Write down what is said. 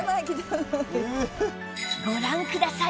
ご覧ください